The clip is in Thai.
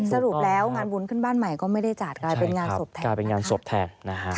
สรุปแล้วงานบุญขึ้นบ้านใหม่ก็ไม่ได้จากกลายเป็นงานศพแทน